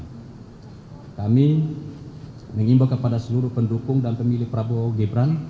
ketiga kami mengajak pada seluruh pendukung dan pemilih prabowo gibran